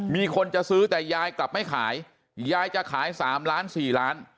มีคนจะซื้อแต่ยายกลับไม่ขายยายจะขาย๓ล้าน๔ล้าน